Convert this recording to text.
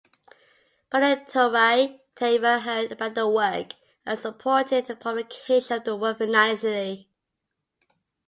Pandithorai Thevar heard about the work and supported the publication of the work financially.